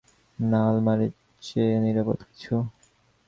না, আলমারির চেয়ে নিরাপদ কিছু।